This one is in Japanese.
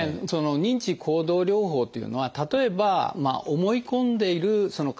認知行動療法というのは例えば思い込んでいるその考え方